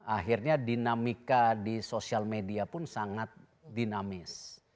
akhirnya dinamika di sosial media pun sangat dinamis